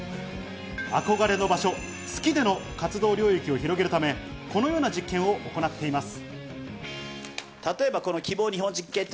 憧れの場所、月での活動領域を広げるため、このような実験を行っています。